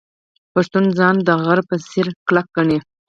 پښتون ځان د غره په څیر کلک ګڼي.